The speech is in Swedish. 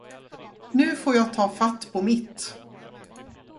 Nu får jag ta fatt på mitt.